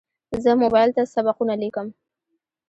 زه موبایل ته سبقونه لیکم.